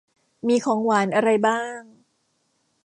มีของหวานอะไรบ้าง